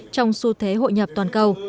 trong xu thế hội nhập toàn cầu